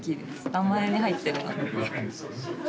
名前に入ってるの。